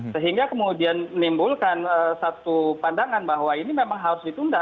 sehingga kemudian menimbulkan satu pandangan bahwa ini memang harus ditunda